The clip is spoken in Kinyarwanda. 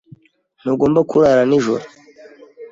Ntugomba kurara nijoro.